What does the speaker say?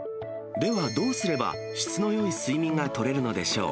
では、どうすれば質のよい睡眠が取れるのでしょう。